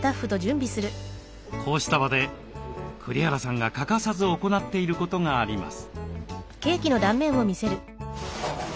こうした場で栗原さんが欠かさず行っていることがあります。